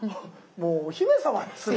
もうお姫様ですね。